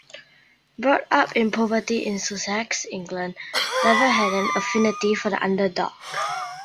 Brought up in poverty in Sussex, England, Levett had an affinity for the underdog.